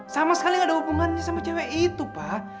sama sekali gak ada hubungannya sama cewek itu pak